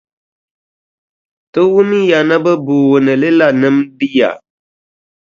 Ti wumya ni bɛ booni li la nimdi ya.